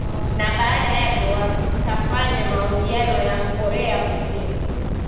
na badala yake watafanya mahojiano na korea kusini